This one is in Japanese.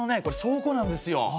これ倉庫なんですよ。